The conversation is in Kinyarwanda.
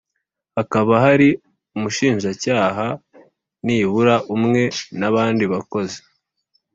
Hakaba hari umushinjacyaha nibura umwe n ‘abandi bakozi